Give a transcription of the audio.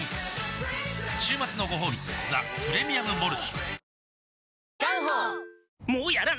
週末のごほうび「ザ・プレミアム・モルツ」